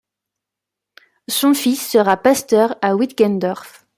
Son fils sera pasteur à Wittgendorf.